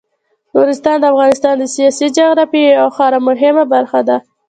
نورستان د افغانستان د سیاسي جغرافیې یوه خورا مهمه برخه ده.